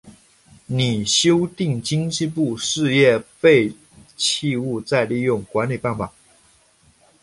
拟修订经济部事业废弃物再利用管理办法增列附表公告再利用编号五十九混烧灰协调会。